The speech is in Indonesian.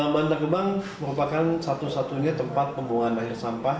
bantar gebang merupakan satu satunya tempat pembuangan air sampah